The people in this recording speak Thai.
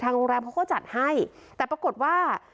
โรงแรมเขาก็จัดให้แต่ปรากฏว่า